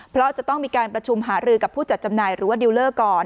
เพราะจะต้องมีการประชุมหารือกับผู้จัดจำหน่ายหรือว่าดิวเลอร์ก่อน